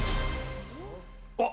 あっ！